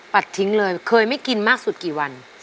ทิ้งเลยเคยไม่กินมากสุดกี่วัน